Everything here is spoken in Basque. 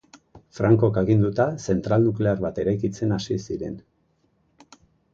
Frankok aginduta, zentral nuklear bat eraikitzen hasi ziren.